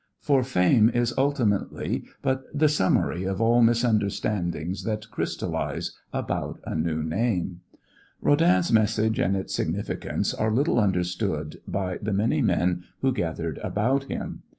For fame is ultimately but the summary of all misunderstandings that crystallize about a new name. Rodin's message and its significance are little understood by the many men who gathered about him.